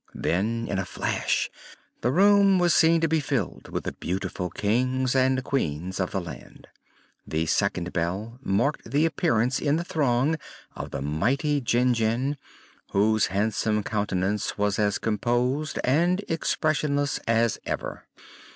Then in a flash the room was seen to be filled with the beautiful Kings and Queens of the land. The second bell marked the appearance in the throne of the mighty Jinjin, whose handsome countenance was as composed and expressionless as ever.